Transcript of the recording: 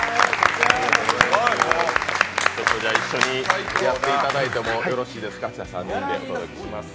一緒にやっていただいてもよろしいですか３人でお届けします。